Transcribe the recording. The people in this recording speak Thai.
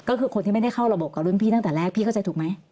ก็คือคนที่ไม่ได้เข้าระบบกับรุ่นพี่ตั้งแต่แรกพี่เข้าใจถูกไหม